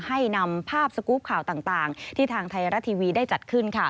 ให้นำภาพสกรูปข่าวต่างที่ทางไทยรัฐทีวีได้จัดขึ้น